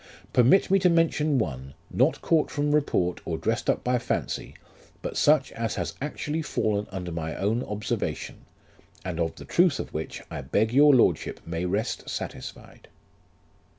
Permit me to mention one, not caught from report, or dressed up by fancy, but such as has actually fallen under my own observation, and of the truth of which I beg your Lordship may rest satisfied.